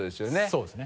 そうですね。